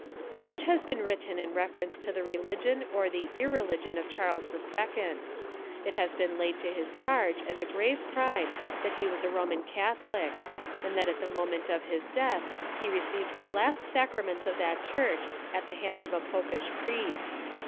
Much has been written In reference to the religion or the irreligion of Charles II. It has been laid to his charge as a grave crime that he was a Roman Catholic, and that at the moment of his death he received the last sac raments of that church at the hands of a popish priest.